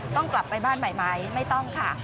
ต้องกลับไปบ้านใหม่ไหมไม่ต้องค่ะ